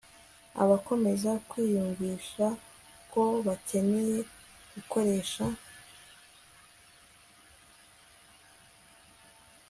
Abakomeza kwiyumvisha ko bakeneye gukoresha